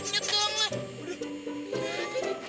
nyet nyet dong lah